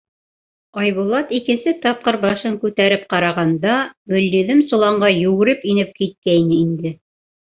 Айбулат икенсе тапҡыр башын күтәреп ҡарағанда, Гөлйөҙөм соланға йүгереп инеп киткәйне инде.